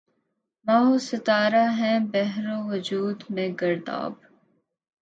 مہ و ستارہ ہیں بحر وجود میں گرداب